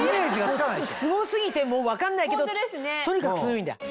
すご過ぎてもう分かんないけどとにかく多いんだ。